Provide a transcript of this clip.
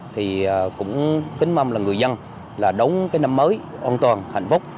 thì cũng kính mong là người dân là đón cái năm mới an toàn hạnh phúc